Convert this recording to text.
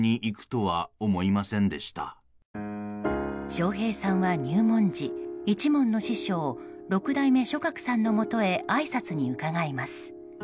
笑瓶さんは入門時、一門の師匠六代目松鶴さんのもとへあいさつに伺います。